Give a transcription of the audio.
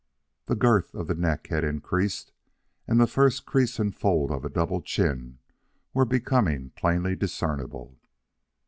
The girth of the neck had increased, and the first crease and fold of a double chin were becoming plainly discernible.